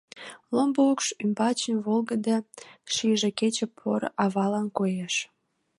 Ломбо укш ӱмбачын волгыдо шыже кече поро авала коеш.